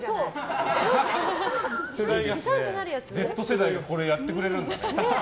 Ｚ世代がこれやってくれるんだ。